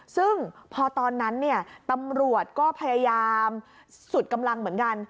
ซึ่งพอตอนนั้นเนี่ยตำรวจก็พยายามสุดกำลังเหมือนกัน